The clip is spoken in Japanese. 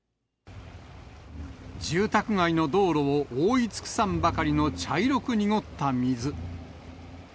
住宅街の道路を覆い尽くさんばかりの茶色く濁った水。